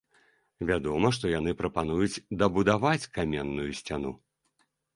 Вядома, што яны прапануюць дабудаваць каменную сцяну.